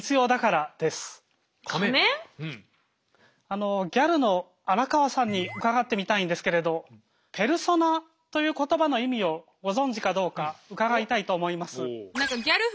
あのギャルの荒川さんに伺ってみたいんですけれど「ペルソナ」という言葉の意味をご存じかどうか伺いたいと思います。